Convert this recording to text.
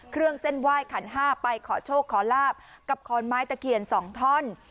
เครื่องเส้นไหว้ขันห้าไปขอโชคขอลาบกับขอนไม้ตะเคียน๒ท่อน